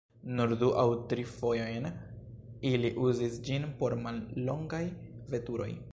Nur du aŭ tri fojojn ili uzis ĝin por mallongaj veturoj.